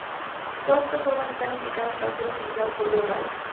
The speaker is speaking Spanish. Todas estas formas están indicadas para ser utilizadas por vía oral.